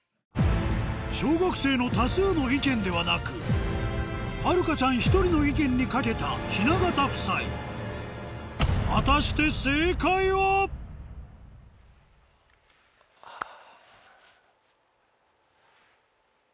小学生の多数の意見ではなくはるかちゃん１人の意見に懸けた雛形夫妻果たして正解は⁉あ！